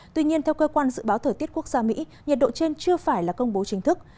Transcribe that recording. tuy nhiên theo cơ quan dự báo thời tiết quốc gia mỹ nhiệt độ trên chưa phải là công bố chính thức